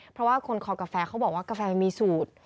เพราะว่าคนคอกาแฟเขาบอกว่ากาแฟมีสูตร